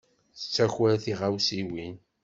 Tettaker tiɣawsiwin.